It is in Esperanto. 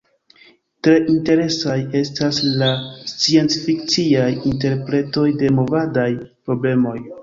Tre interesaj estas la sciencfikciaj interpretoj de movadaj problemoj.